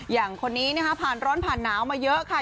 อย่างคนนี้นะคะผ่านร้อนผ่านหนาวมาเยอะค่ะ